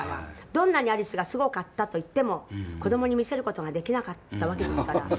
どんなにアリスがすごかったと言っても子供に見せる事ができなかったわけですから。